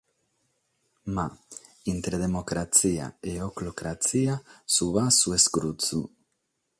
Ma intre democratzia e oclocratzia, su passu est curtzu.